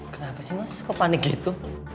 kenapa sih mas aku panik gitu